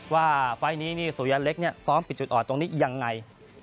ว่าไฟต์นี้สวยันเล็กซ้อมปิดจุดอ่อนตรงนี้ยังไง